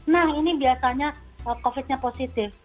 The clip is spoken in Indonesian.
nah ini biasanya covidnya positif